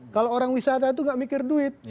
kalau orang wisata itu gak mikir duit